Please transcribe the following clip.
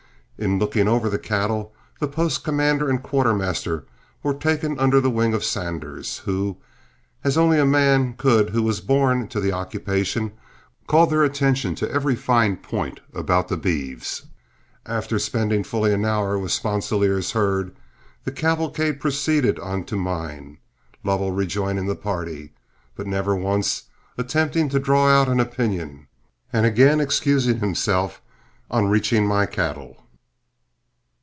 In looking over the cattle, the post commander and quartermaster were taken under the wing of Sanders, who, as only a man could who was born to the occupation, called their attention to every fine point about the beeves. After spending fully an hour with Sponsilier's herd, the cavalcade proceeded on to mine, Lovell rejoining the party, but never once attempting to draw out an opinion, and again excusing himself on reaching my cattle.